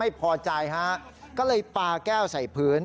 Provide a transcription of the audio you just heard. ไม่พอใจฮะก็เลยปาแก้วใส่พื้น